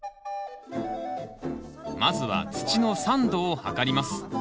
まずは土の酸度を測ります